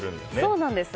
そうなんです。